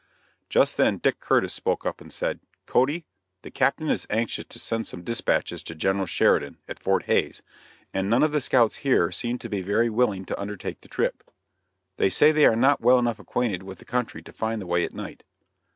Just then Dick Curtis spoke up and said: "Cody, the Captain is anxious to send some dispatches to General Sheridan, at Fort Hays, and none of the scouts here seem to be very willing to undertake the trip. They say they are not well enough acquainted with the country to find the way at night."